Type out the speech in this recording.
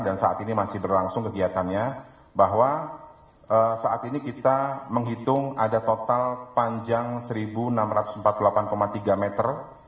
dan saat ini masih berlangsung kegiatannya bahwa saat ini kita menghitung ada total panjang seribu enam ratus empat puluh delapan tiga meter